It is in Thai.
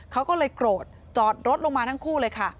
เขาก็เลยโกรธจอดรถลงมาทั้งคู่เลยค่ะ